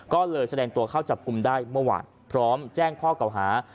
ก็เลยแสดงตัวเข้าจับกลุ่มได้เมื่อวานพร้อมแจ้งข้อเก่าหา